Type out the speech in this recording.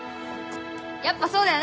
やっぱそうだよな。